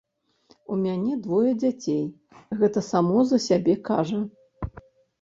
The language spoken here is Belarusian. У мяне двое дзяцей, гэта само за сябе кажа.